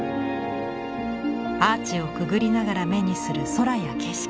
アーチをくぐりながら目にする空や景色。